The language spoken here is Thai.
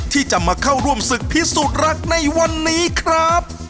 ที่จะมาเข้าร่วมศึกพิสูจน์รักในวันนี้ครับ